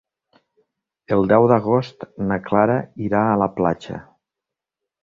El deu d'agost na Clara irà a la platja.